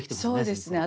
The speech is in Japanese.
そうですね。